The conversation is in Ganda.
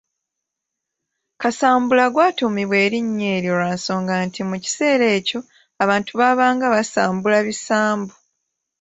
Kasambula gwatuumibwa erinnya eryo lwa nsonga nti mu kiseera ekyo abantu baabanga basambula bisambu.